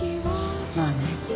まあね。